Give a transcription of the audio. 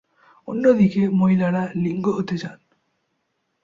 অন্যদিকে, মহিলারা লিঙ্গ হতে চান।